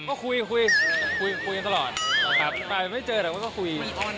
ก็คุยคุยคุยตลอดครับไปไม่เจอแต่ว่าก็คุย